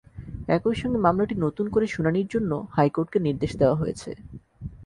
একই সঙ্গে মামলাটি নতুন করে শুনানির জন্য হাইকোর্টকে নির্দেশ দেওয়া হয়েছে।